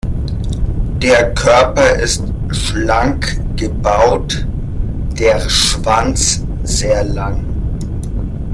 Der Körper ist schlank gebaut, der Schwanz sehr lang.